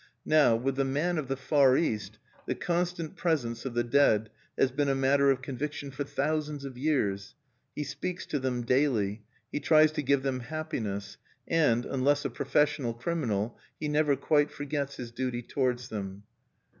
Now, with the man of the Far East, the constant presence of the dead has been a matter of conviction for thousands of years: he speaks to them daily; he tries to give them happiness; and, unless a professional criminal he never quite forgets his duty towards them.